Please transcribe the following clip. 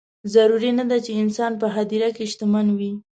ضروري نه ده چې انسان په هدیره کې شتمن وي.